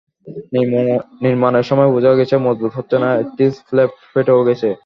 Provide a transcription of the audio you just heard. নির্মাণের সময়ই বোঝা গেছে, মজবুত হচ্ছে না, একটি স্ল্যাব ফেটেও গেছে।